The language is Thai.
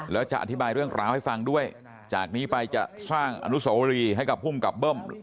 แล้วจะอธิบายเรื่องราวให้ฟังด้วยจากนี้ไปจะสร้างอนุสวรีให้กับภูมิกับเบิ้ม